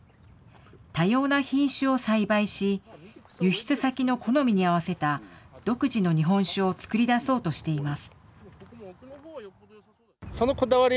多様な品種を栽培し、輸出先の好みに合わせた独自の日本酒を作り出そうとしています。